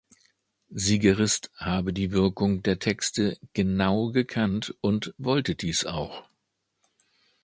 Siegerist habe die Wirkung der Texte „genau gekannt und wollte dies auch“.